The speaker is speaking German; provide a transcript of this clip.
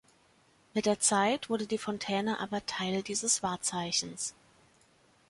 Mit der Zeit wurde die Fontäne aber Teil dieses Wahrzeichens.